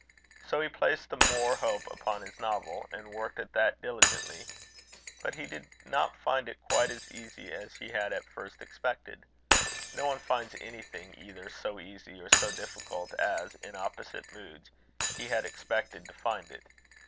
So he placed the more hope upon his novel, and worked at that diligently. But he did not find it quite so easy as he had at first expected. No one finds anything either so easy or so difficult as, in opposite moods, he had expected to find it.